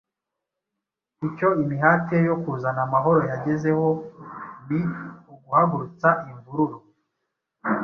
icyo imihati ye yo kuzana amahoro yagezeho ni uguhagurutsa imvururu,